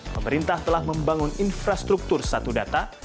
pemerintah telah membangun infrastruktur satu data